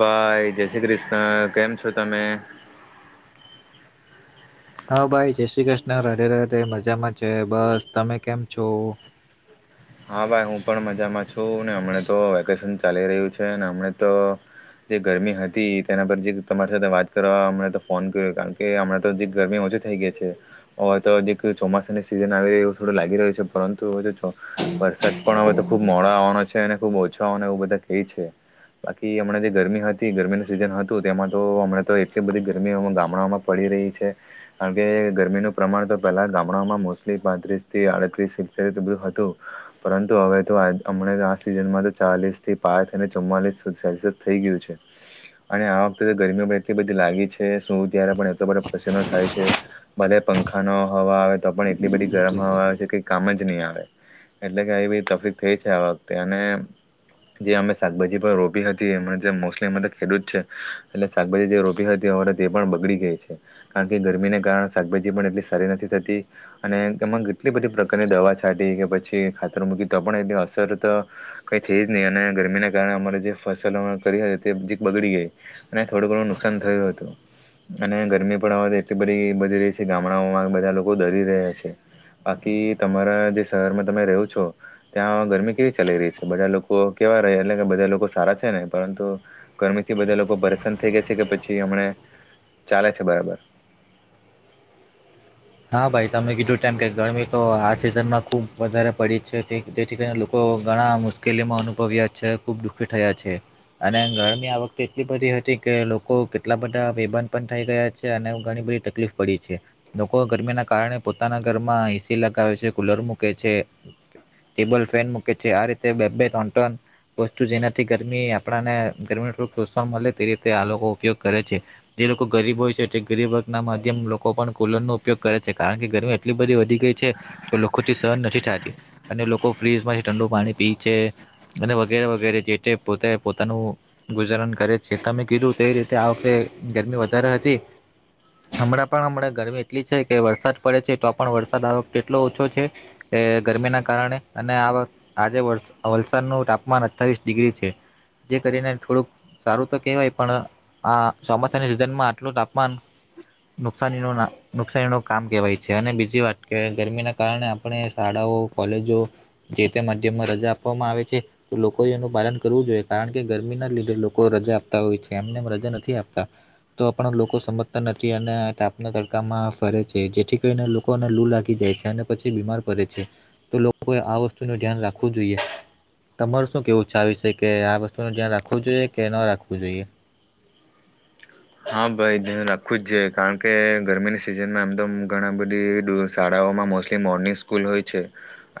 ભાઈ જય શ્રી ક્રિષ્ણ, કેમ છો તમે? હા, ભાઈ જય શ્રી કૃષ્ણ, રાધે રાધે મજામાં છે બસ. તમે કેમ છો? હા ભાઈ, હું પણ મજામાં છું ને હમણાં તો વેકેશન ચાલી રહ્યું છે હમણા તો જે ગરમી હતી તેના પર જે તમારી સાથે વાત કરવા અમ તો ફોન કર્યો. કારણ કે હમણાં તો જે ગરમી ઓછી થઈ ગઈ છે. હવે તોજી ચોમાસાની સિઝન આવી રહી થોડું લાગી રહ્યું છે. પરંતુ હ વરસાદ પણ હવે તો ખૂબ મોડા આવવાનો છે અને ખૂબ ઓછો આવવાનો એવું બધા કહે છે. બાકી હમણાં જે ગરમી હતી ગરમીનું સિઝન હતું તેમાં તો હમણાં તો એટલી બધી ગરમી ગામડાઓમાં પડી રહી છે. કારણ કે ગરમીનું પ્રમાણ તો પહેલાં ગામડાઓમાં મોસ્ટલી પાંત્રીસથી આડત્રીસ સિ બધું હતું પરંતુ હવે તો હમણાં તો આ સિઝનમાં તો ચાલીસ થી પાંચ અને ચુમ્લીસ સેલ્સિયસ થઈ ગયું છે અને આ વખતે ગરમીઓ પણ એટલી બધી લાગી છે શું ત્યારે પણ એટ બધ પસનો થાય છે. ભલે પંખાનો હવા આવે તો પણ એટલી બધી ગરમ હવા આવે છે કઈ કામ જ નહી આવે. એટલે કે આવી બધી તકલીફ થઈ છે આ વખતે અને જે અમે શાકભાજી પણ રોપી હતી એ જે મોસ્ટલી અરે તો ખેડૂત છે એટલે શાકભાજી જે રોપી હતી અમારે તે એ પણ બગડી ગઈ છે. કારણ કે ગરમીને કારણે શાકભાજી પણ એટલી સારી નથી થતી અને એમાં કેટલી બધી પ્રકારની દવા છાંટી કે પછી ખાતર મૂકી તો પણ એટલી અસર તો કંઈ થઈ જ નહી અને ગરમીના કારણે અમારે જે ફસલ કરી હતી તે જીક બગડી ગઈ અને થોડું ઘણું નુકસાન થયું હતું અને ગરમી પણ હવ તો એટલી બધી બધી રહી છે. ગામડાઓમાં બધા લોકો દરી રહ્યા છે બાકી તમારા જે શહેરમાં તમે રહ્યું છો ત્યાં ગરમી કેવી ચાલી રહી છે બધા લોકો કેવા રહે એટલે કે બધા લોકો સારા છે ને પરંતુ ગરમી થી બધા લોકો પરેશાન થઈ ગયા છે કે પછી હમણા ચાલે છે બરાબર? હા ભાઈ, તમે કીધું તેમ કે ગરમી તો આ સિઝનમાં ખુબ વધારે પડી છે જેથી કરીને લોકો ઘણા મુશ્કેલીમાં અનુભવ્યા છે, ખૂબ દુઃખી થયા છે અને ગરમી આ વખતે એટલી બધી હતી કે લોકો કેટલા બધા બેભાન પણ થઇ ગયા છે અને ઘણી બધી તકલીફ પડી છે. તો ગરમીના કારણે પોતાના ઘરમાં એસી લગાવે છે, કુલર મૂકે છે, ટેબલ ફેન મૂકે છે આ રીતે બે બે ટન ટન વસ્તુ જેનાથી ગરમી આપને ગરમી સોકવામાં મળે તે રીતે આ લોકો ઉપયોગ કરે છે. જે લોકો ગરીબ હોય છે તે ગરીબ વર્ગના માધ્યમ લોકો પણ કુલરનું પયોગ કરે છે. કારણ કે ગરમી એટલી બધી વધી ગઈ છે કે લોકોથી સહન નથી થતી અને લોકો ફ્રીજમાંથી ઠંડુ પાણી પી છે અને વગેરે વગેરે જે તે પોતે પોતાનું ગુજારન કરે છે. તમે કીધું તે રીતે આ વખતે ગરમી વધારે હતી. હમણાં પણ હમણાં ગરમી વરસાદ પડે છે તો પણ વરસાદ આ વકતે એટલો ઓછો છે ગરમીના કારણે અને આ આજે વલ વલસાડનું તાપમાન અઠ્ઠાવીસ ડિગ્રી છે. જે કરીને થોડુંક સારું તો કહેવાય પણ આ ચોમાસાની સિઝનમાં આટલું તાપમાન નુકસાની ન ના નુકસાની નું કામ કહેવાય છે અને બીજી વાત કે ગરમીના કારણે આપણે શાળાઓ, કોલેજો જે તે માધ્યમમાં રજા આપવામાં આવે છે. તો લોકોએ એનું પાલન કરવું જોઈએ કારણ કે ગરમીના લીધે લોકો રજા આપતા હોય છે એમને રજા નથી આપતા. તો પણ લોકો સમજતા નથી અને તાપના ત માં ફરે છે જેથી કરીને લોકોને લૂ લાગી જાય છે અને પછી બીમાર પડે છે. તો લોકોએ આ વસ્તુ નું ધ્યાન રાખવું જોઈએ. તમાર શું કેવું છેાવ છે કે આ વસ્તુ નું ધ્યાન રાખવું જોઈએ કે ના રાખવું જોઈએ? ખુ જ જ કારણ કે ગરમીની સિઝનમાં એમ તો ઘણા બધી શાળાઓમાં મોસ્ટલી મોર્નિંગ સ્કૂલ હોય છે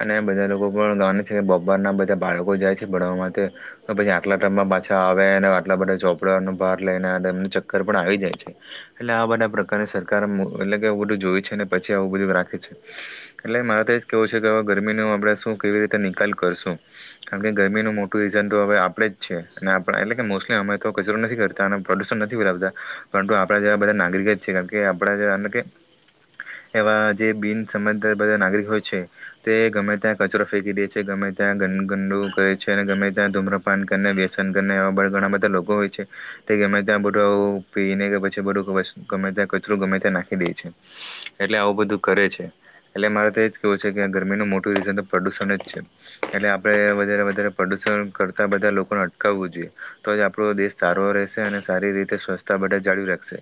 અને બધા લોકો પણ ગા છે બપોરના બધા બાળકો જાય છે ભણવા માટે તો પછી આટલા ટાઈમમાં પાછા આવે અને આટલા બધા ચોપડાનો ભાર લઈને એમ કરપ આવી જાય છે એટલે આ બધા પ્રકારે સરકારારે એટલે કે આવું બધું જોય છે અને પછી આવું બધું રાખે છે એટલે મારે તો એ જ કેવું છે કે હવે ગરમીનો આપણે શું કેવી રીતે નિકાલ કરશું કારણ કે ગરમીનું મોટું રીઝન તો હવે આપણેે જ છે અને એટલે કે મોસ્ટલી અમે તો કચરો નથી કરતા અને પ્રદુષણ નથી આપણા જેવા બધા નાગરિક જ છે કાર કે આપણા કે એવા જે બિન સમજ બધા નાગરિક હોય છે તે ગમે ત્યાં કચરો ફેંકી દે છે ગમે ત્યાં ગનગનડુ કરે છે ગમે ત્યાં ધૂમ્રપાન કરીને વ્યસન કરીવા ઘણા બધા લોકો હોય છે તે ગમે ત્યાં બધું આવું પીને કે પછી બધું ગમે ત્યાં કચરું ગમે ત્યાં નાખી દે છે એટલે આવું બધું કરે છે એટલે મારે તો એજ કેવું છે કે ગરમીનું મોટું રીઝન તો પ્રદુષણ જ છે એટલે આપણે વધારે વધારે પ્રદુષણ કરતા બધા લોકોને અટકાવવું જોઈએ તો જ આપણો દેશ સારો રહેશે અને સારી રીતે સ્વચ્છતા બ જાળવી રાખશે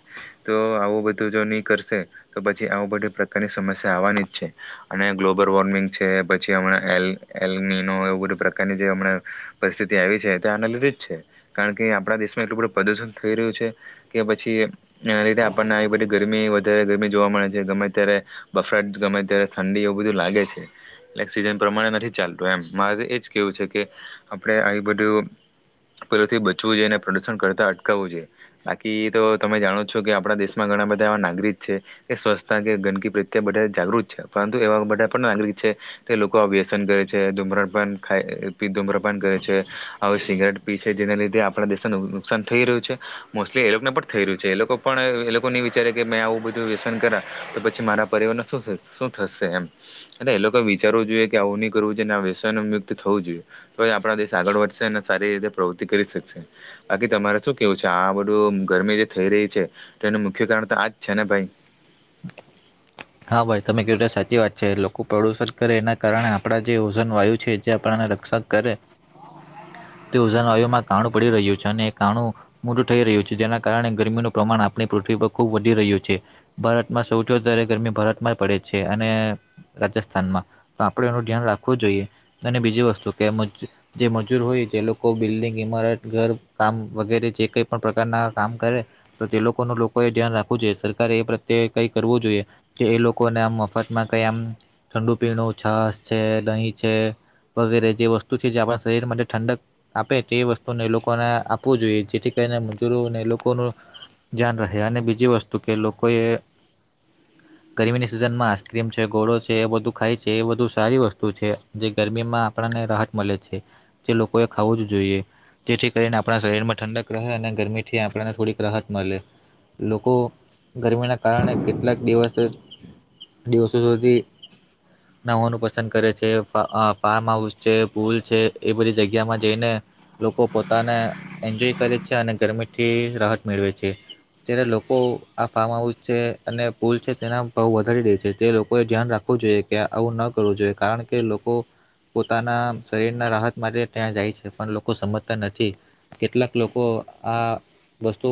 તો આવું બધું જો નહીં કરશે તો પછી આવું બધી પ્રકારની સમસ્યા આવવાની જ છે અને ગ્લોબલ વોર્મિંગ છે પછી હમણાં એલ એલનીનો એવું બધી પ્રકારની જે હમણાં પરિસ્થિતિ આવી છે એ આના લીધે જ છે કારણ કે આપણા દેશમાં એટલું બધું પ્રદૂષણ થઈ રહ્યું છે કે પછી એના લીધે આપણને આવી બધી ગરમી વધારે ગરમી જોવા મળે છે ગમે ત્યારે બફરાટ ગમે ત્યારે ઠંડી એવું બધું લાગે છે એટ સીઝન પ્રમાણે નથી ચાલતું એમ મારે એજ કેવું છે કે આપણે આવી બધું પહેલથી બચવું જોઈએ અને પ્રદુષણ કરતા કવું જોઈએ બાકી તો તમે જાણો છો કે આપણા દેશમાં ઘણા બધા એવા નાગરિક છે તે સ્વચ્છતા કે ગંદકી પ્રત્યે બધા જાગૃત છે પરંતુ એવા બધા પણ નાગરિક છે તે લોકો વ્યસન કરે છે ધૂમ્રપાન ખાય ધૂમ્રપાન કરે છે હવે સિગારેટ પી છે જેના લીધે આપણા દેશને નુકસાન થઈ રહ્યું છે મોસ્ટલી એ લોકોને પણ થઈ રહ્યું છે એ લોકો પણ એ લોકો નહી વિચારે કે મે આવું બધું વ્યસન કરા તો પછી મારા પરિવારને શું થશે એમ એ લોકો વિચારવું જોઈએ કે આવું નહી કરવું જોઈએ વ્યસન મુક્ત થવું જોઈએ તો જ આપણા દેશ આગળ વધશે ને સારી રીતે પ્રવૃતિ કરી શકશે બાકી તમારે શું કેવું છે આ બધું ગરમી જે થઈ રહી છે તો એનું મુખ્ય કારણ તો આજ છે ને ભાઈ હા ભાઈમે સાચી વાત છે લોકો પ્રદુષણ કરે એના કારણે આપણા જે ઓજન વાયુ છે જે આપણાને રક્ષણ કરે તે ઓજન વાયુમાં કાણું પડી રહ્યું છે અને કાણું મોટું થઈ રહ્યું છે જેના કારણે ગરમીનું પ્રમાણ આપણી પૃથ્વી પર ખૂબ વધી રહ્યું છે ભારતમાં સૌથી વધારે ગરમી ભારતમાં પડે છે અને રાજસ્થાનમાં તો આપણે એનું ધ્યાન રાખવું જોઈએ અને બીજી વસ્તુ કે જે મજૂર હોય જે લોકો બિલ્ડિંગ ઈમારત ઘર કામ વગેરે જે કઈ પણ પ્રકારના કામ કરે તો તે લોકોનું લોકો એ ધ્યાન રાખવું જોઈએ સરકારે એ પ્રત્યે કઈ કરવું જોઈએ કે એ લોકોને આમ મફતમાં કઈ આમ ઠંડુ પીણું છાસ છે દહીં છે વગેરે જે વસ્તુ છે જે આપણા શરીર માટે ઠંડક આપે તે વસ્તુને એ લોકોને આપવું જોઈએ જેથી કરીને મજૂરોને એ લોકોનું ધ્યાન રહે અને બીજી વસ્તુ કે લોકો એ ગરમીની સિઝનમાં આઈસક્રીમ છે ઘોળો છે એ બધું ખાય છે એ બધું સારી વસ્તુ છે જે ગરમીમાં આપણને રાહત મળે છે જે લોકોએ ખાવું જ જોઈએ જેથી કરીને આપણા શરીરમાં ઠંડક રહે અને ગરમીથી આપણને થોડીક રાહત મળે લોકો ગરમીના કારણે કેટલાક દિવસ દિવસો સુધી નવવાનું પસંદ કરે છે ફાર્મ હાઉસ છે ભૂલ છે એ બધી જગ્યામાં જઈને લોકો પોતાને એન્જોય કરે છે અને ગરમીથી રાહત મેળવે છે ત્યારે લોકો આ ફાર્મ હાઉસ છે અને પૂલ છે તેના ભાવ વધારી દહી છે તે લોકોએ ધ્યાન રાખવું જોઈએ કે આવું ન કરવું જોઈએ કારણ કે લોકો પોતાના શરીરના રાહત માટે ત્યાં જાય છે પણ લોકો સમજતા નથી કેટલાક લોકો આ વસ્તુ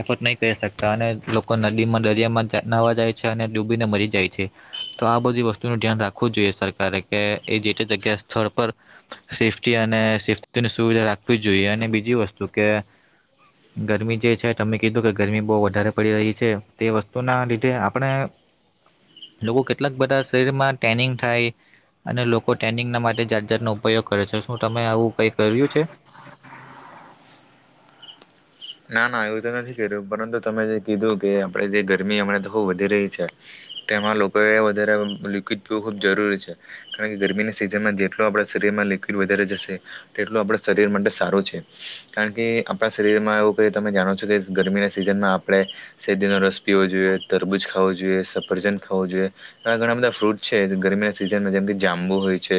એફોર્ટ નહીં કરી શકતા અને લોકો નદીમાં દરિયામાં નવા જાય છે અને ડૂબીને મરી જાય છે તો આ બધી વસ્તુનું ધ્યાન રાખવું જોઈએ સરકારે કે એ જે તે જગ્યા સ્થળ પર સેફ્ટી અને સેફ્ટીની સુવિધા રાખવી જ જોઈએ અને બીજી વસ્તુ કે ગરમી જે છે તમે કીધું કે ગરમી બહુ વધારે પડી રહી છે તે વસ્તુ તો ના લીધે આપણે લોકો કેટલાક બધા શરીરમાં ટ્રેનિંગ થાય અને લોકો ટ્રેનિંગ ના માટે ચાર્જરનોો ઉપયોગ કરે છે શું તમે આવું કઈ કર્યું છે ના ના આવું તો નથી કર્યું પરંતુ તમે જે કીધું કે આપણે જે ગરમી હમણાં તો ખૂબ વધી રહી છે તેમાં લોકોએ વધારે લિક્વિડ પીવું ખૂબ જરૂરી છે કારણ કે ગરમીના સિઝનમાં જેટલું આપણા શરીરમાં લિક્વિડ વધારે જશે તેટલું આપણા શરીર માટે સારું છે કારણ કે આપણા શરીરમાં એું તો તમે જાણો છો કે ગરમીના સિઝનમાં આપણે શેદીનો રસ પીવો જોઈએ તરબૂજ ખાવો જોઈએ સફરજન ખાવું જોઈએ એવા ઘણા બધા ફ્રૂટ છે ગરમીના સિઝનમાં જેમ કે જાંબુ હોય છે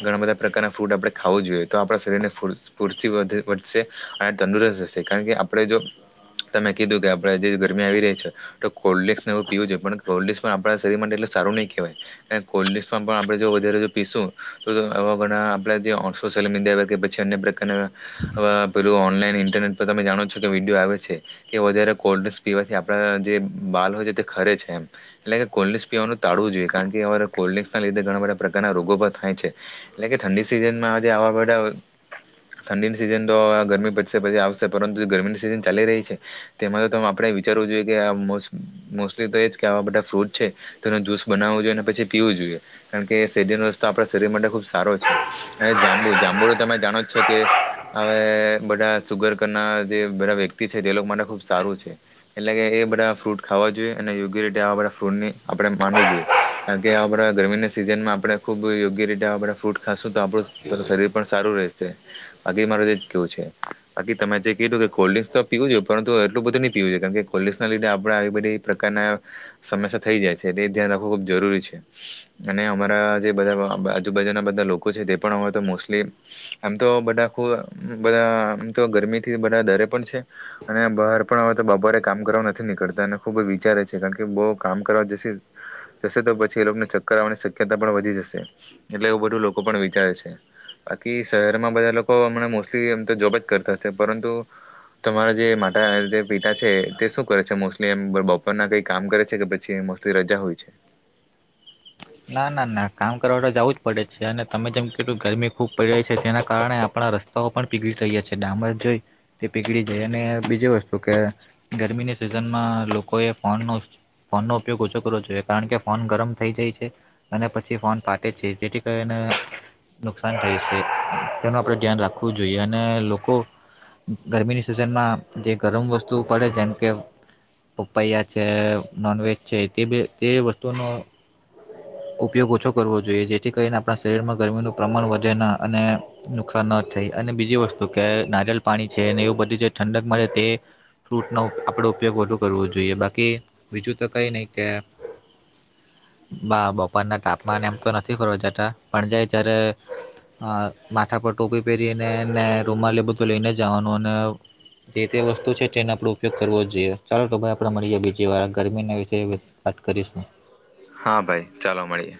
ઘણા બધા પ્રકારના ફ્રૂટ આપણે ખાવું જોઈએ તો આપણા શરીરને ફૂ ફૂર્તિ વધશે અને તંદુરસ્ત રહેશે કારણ કે આપણે જો તમે કીધું કે આપણેે જે ગરમી આવી રહી છે તો કોલ્ડ ડ્રસનેવું પીવું જોઈએ પણ કોલ્ડ ડ્રસ આપણા શરીર માટે એટ સારું નહીં કહેવાય કોલ્ડ ડસમાં પણ આપણે વધ પીશું તો આપ જે સોશિયલ મીડિયા પછી અન્ય [unintelligible] ઓનલાઇનઇન્ટરનેટ તો તમે જાણો છો કે વિડીયો આવે છે કે વધારે કોલ્ડ ડ્ર્રીક્સ પીવાથી આપણા જે બાલ હોય છે તે ખરે છે એમ એટલે કે કોલ્ડ ડ્રીસ પીવાનું ટાળવું જોઈએ કારણ કે કોલ્ડ ડ્રીસના લીધે ઘણા બધા પ્રકારના રોગો પણ થાય છે એટલે કે ઠંડી સિઝનમાં આજ આવા બધા ઠંડીની સિઝન તો ગરમી પશે પછી પરંતુ જે ગરમીની સિઝન ચાલી રહી છે તેમાં તો આપણે વિચારવું જોઈએ કે મોસ્ટલી તો એ જ કે આવા બધા ફ્રૂટ છે તેનો જ્યુસ બનાવો જોઈએ અને પછી પીવું જોઈએ કારણ કે સેજન રસ્તો આપણા શરીર માટે ખુબ સારો છે હવે જાંબુ જાંબુ તો તમે જાણો જ છો કે હવે બધા સુગર ના જે બધા વ્યક્તિ છે તે લોકો માટે ખૂબ સારું છે એટલે કે એ બધા ફ્રૂટ ખાવા જોઈએ અને યોગ્ય રીતે આવા બધા ફ્રૂટની આપડણે માનવું જોઈએ કારણ કે આવા બધ ગરમીના સિઝનમાં આપણેે ખુબ યોગ્ય રીતે આવા બધા ફ્રૂટ ખ શું તો આપણું શરીર પણ સારું રહે બાકી મારો દેશ કેવું છે બાકી તમે જે કીધું કે કોલ્ડ ડ્ર્રીંક્સ તો પીવું જોઈએ પરુ એટલું બધું નહીં પીવુંઈએ કારણ કે કોલ્ડ ડ્ર્રીંસ લીધે આપણે આવી બધી પ્રકારના સમસ્યા થઈ જાય છે એ ધ્યાન રાખવું ખૂબ જરૂરી છે અને અમારા જે બધા આજુબાજુના બધા લોકો છે તે પણ અમારે તો મોસ્ટલી આમ તો બધા આખું બધા તો ગરમી થી બધા દરે પણ છે અને બહાર પણ આવે તો બાપારે કામ કરવા નથી નીકળતા અને ખુબ જ વિચારે છે કારણ કે બહુ કામ કરવા જશે જશે તો પછી એ લોકોને ચક્કર આવવાની શક્યતા પણ વધી જશે એટલે એવું બધું લોકો પણ વિચારે છે. બાકી શહેરમાં બધા લોકો હમણા મોસ્ટલી એમ તો જોબ જ કર પરંતુ તમારા જે માતા જે પિતા છે તે શું કરે છે મોસ્ટલી એ બપોરના કઈ કામ કરે છે કે પછી મોસ્ટલી રજા હોય છે. ના ના ના કામ કરવા તો જવું જ પડે છે અને તમે જેમ કું ગરમી ખૂબ પડી રહી છે જેના કારણે આપણા રસ્તાઓ પણ પીગળી રહ્યા છ છેએ ડામર જોઈ તે પીગળી જાય અને બીજી વસ્તુ કે ગરમીની સિઝનમાં લોકોએ ફોનનો ફોનનો ઉપયોગ ઓછો કરવો જોઈએ કારણ કે ફોન ગરમ થઈ જાય છે. અને પછી ફોન ફાટે છે જેથી કરીને નુકસાન થય છે તેનું આપણે ધ્યાન રાખવું જોઈએ અને લોકો ગરમીની સિઝનમાં જે ગરમ વસ્તુ પડે જેમ કે પપૈયા છે નોનવેજ છે તે તે વસ્તુનો ઉપયોગ ઓછો કરવો જોઈએ જેથી કરીને આપણા શરીરમાં ગરમીનું પ્રમાણ વધે ન અને નુકસાન ન થાય અને બીજી વસ્તુ કે નારિયલ પાણી છે એવું બધું જે ઠંડક મળે તે ફ્રૂટનો આપણે ઉપયોગ વધુ કરવો જોઈએ બાકી બીજું તો કઈ નહી કે બાળકો બપોરના તાપમા એમ તો નથી ફરવા જતા પણ જાય જ્યારે માથા પર ટોપી પહેરીનેને રૂમાલી બધું લઈને જવાનું અને જે તે વસ્તુ છે તેનો આપડ ઉપયોગ કરવો જ જોઈએ ચાલો તો ભાઈ આપડે મળી જ બીજી વાર ગરમીના વિશેે વાત કરીશું. હા ભાઈ ચાલો મળીએ.